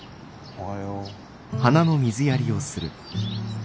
おはよう。